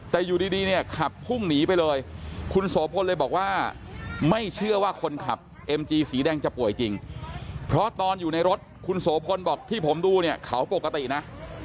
แต่อยู่ดีเนี่ยขับพุ่งหนีไปเลยคุณโสพลเลยบอกว่าไม่เชื่อว่าคนขับเอ็มจีสีแดงจะป่วยจริงเพราะตอนอยู่ในรถคุณโสพลบอกที่ผมดูเนี่ยเขาปกตินะ